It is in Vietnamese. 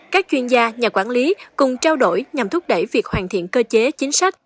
các chuyên gia nhà quản lý cùng trao đổi nhằm thúc đẩy việc hoàn thiện cơ chế chính sách